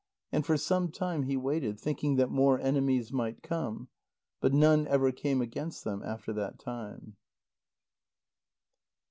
And for some time he waited, thinking that more enemies might come. But none ever came against them after that time.